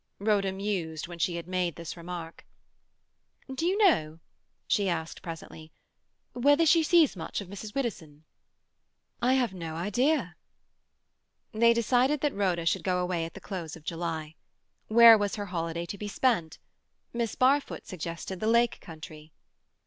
Rhoda mused when she had made this remark. "Do you know," she asked presently, "whether she sees much of Mrs. Widdowson?" "I have no idea." They decided that Rhoda should go away at the close of July. Where was her holiday to be spent? Miss Barfoot suggested the lake country.